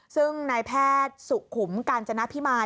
ซึ่งนายแพทย์สุขุมกาญจนพิมาย